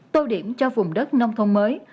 tô điểm cho vùng đất nông thôn mới